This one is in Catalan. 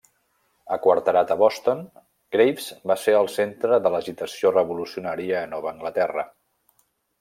Aquarterat a Boston, Graves va ser al centre de l'agitació revolucionària a Nova Anglaterra.